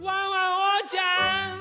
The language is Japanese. おうちゃん！